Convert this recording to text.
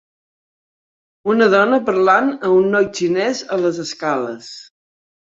Una dona parlant a un noi xinès a les escales.